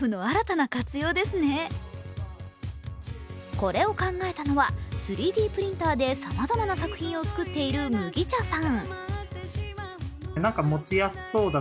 これを考えたのは３Ｄプリンターでさまざまな作品を作っている麦茶さん。